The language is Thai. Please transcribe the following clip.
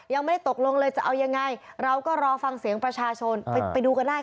ยังไม่ได้ตกลงเลยจะเอายังไงเราก็รอฟังเสียงประชาชนไปดูกันได้